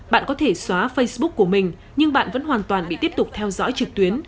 bạn có thể xóa facebook của mình nhưng bạn vẫn hoàn toàn bị tiếp tục theo dõi trực tuyến